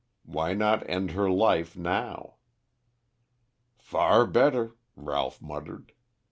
Why not end her life now? "Far better," Ralph muttered.